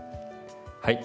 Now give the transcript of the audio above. はい。